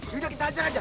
jadi udah kita ajar ajar